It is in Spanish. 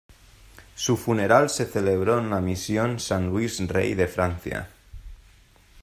Su funeral se celebró en la Misión San Luis Rey de Francia.